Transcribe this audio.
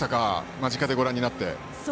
間近でご覧になって。